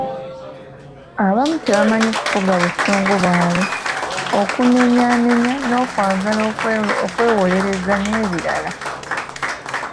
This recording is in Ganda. Abamu tebamanyi kufuga busungu bwabwe, okunenyaanenya, n’okwagala okwewolereza n’ebirala .